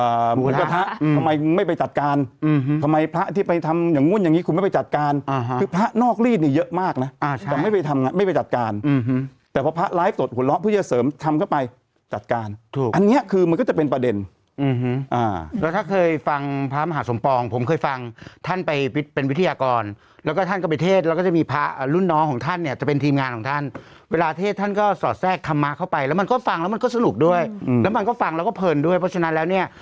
เอ่อหัวหน้าหัวหน้าหัวหน้าหัวหน้าหัวหน้าหัวหน้าหัวหน้าหัวหน้าหัวหน้าหัวหน้าหัวหน้าหัวหน้าหัวหน้าหัวหน้าหัวหน้าหัวหน้าหัวหน้าหัวหน้าหัวหน้าหัวหน้าหัวหน้าหัวหน้าหัวหน้าหัวหน้าหัวหน้าหัวหน้าหัวหน้าหัวหน้าหัวหน้าหัวหน้าหัวหน้า